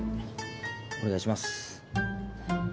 お願いします。